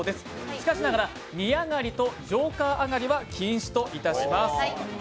しかしながら２あがりとジョーカーあがりは禁止といたします。